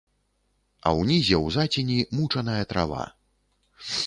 А ўнізе ў зацені мучаная трава.